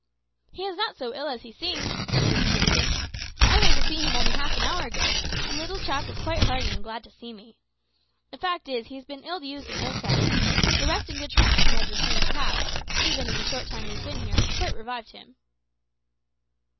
"He is not so ill as he seemed," observed Peterkin. "I went to see him only half an hour ago, and the little chap was quite hearty, and glad to see me. The fact is, he has been ill used and ill fed. The rest and good treatment he has received have, even in the short time he has been here, quite revived him."